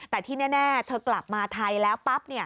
แต่ที่แน่เธอกลับมาไทยแล้วปั๊บ